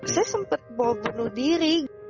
saya sempat bawa bunuh diri